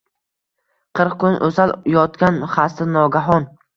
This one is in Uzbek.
Qirq kun o’sal yotgan xasta nogahon